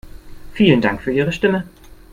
Vielen Dank für Ihre Stimme.